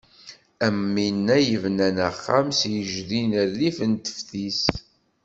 Am winna i yebnan axxam s yijdi rrif n teftis.